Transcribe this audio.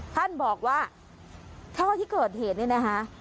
ท่านบอกว่าท่อที่เกิดเหตุเนี่ยนะคะ